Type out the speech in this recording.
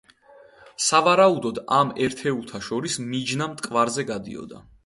სავარაუდოდ ამ ერთეულთა შორის მიჯნა მტკვარზე გადიოდა.